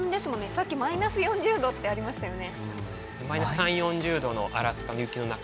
さっきマイナス４０度ってありましたよね。